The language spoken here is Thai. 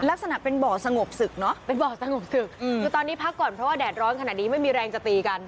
ลักษณะเป็นบ่อสงบศึกเนอะเป็นบ่อสงบศึกคือตอนนี้พักก่อนเพราะว่าแดดร้อนขนาดนี้ไม่มีแรงจะตีกัน